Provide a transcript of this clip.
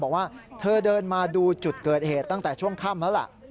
บอกว่าเธอเดินมาดูจุดเกิดเหตุตั้งแต่ช่วงค่ำแล้วล่ะ